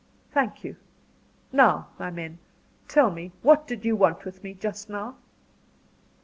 "Thank you. Now, my men, tell me what did you want with me just now?"